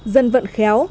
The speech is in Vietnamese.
dân vận khéo